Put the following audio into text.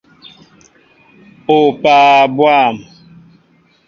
Opaa bwȃm!